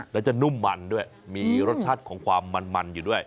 แล้วจะนุ่มมันด้วยมีรสชาติของความมันอยู่ด้วย